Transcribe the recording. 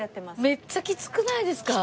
めっちゃきつくないですか？